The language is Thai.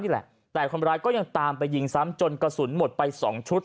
นี่แหละแต่คนร้ายก็ยังตามไปยิงซ้ำจนกระสุนหมดไปสองชุด